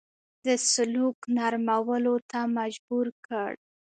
د سلوک نرمولو ته مجبور کړ.